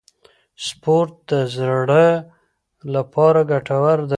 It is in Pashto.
سپورت د زړه لپاره ګټور دی.